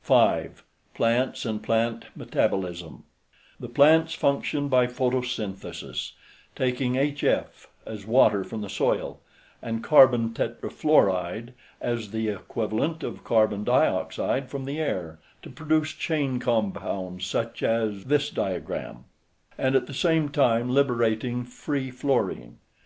5. PLANTS AND PLANT METABOLISM The plants function by photosynthesis, taking HF as water from the soil, and carbon tetrafluoride as the equivalent of carbon dioxide from the air to produce chain compounds, such as: H H H H |||| C C C C |||| F F F F and at the same time liberating free fluorine.